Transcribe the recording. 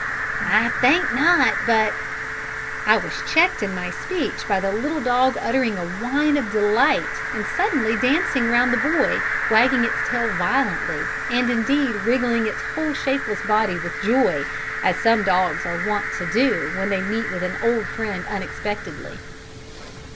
"I think not, but " I was checked in my speech by the little dog uttering a whine of delight and suddenly dancing round the boy, wagging its tail violently, and indeed wriggling its whole shapeless body with joy; as some dogs are wont to do when they meet with an old friend unexpectedly.